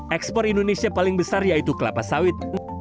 ekspor indonesia paling besar yaitu kelapa sawit